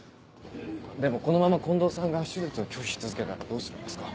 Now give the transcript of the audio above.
でもこのまま近藤さんが手術を拒否し続けたらどうするんですか？